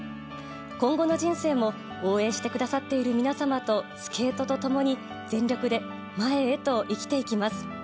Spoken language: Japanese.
今後の人生も応援してくださっている皆様とスケートと共に全力で前へと生きていきます。